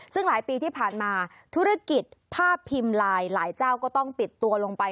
ซึ่งหลายปีที่ผ่านมาธุรกิจภาพพิมพ์ไลน์หลายเจ้าก็ต้องปิดตัวลงไป